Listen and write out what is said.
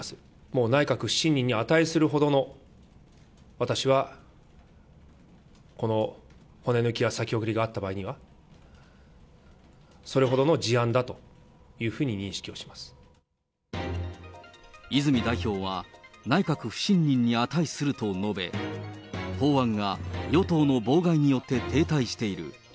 もう内閣不信任に値するほどの、私はこの骨抜きや先送りがあった場合には、それほどの事案だとい泉代表は、内閣不信任に値すると述べ、法案が与党の妨害によって停滞している。